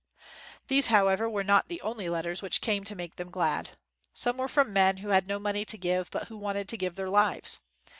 These, however, were not the only letters which came to make them glad. Some were from men who had no money to give, but who wanted to give their lives.